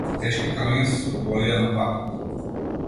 Тешки камења се струполија на патот.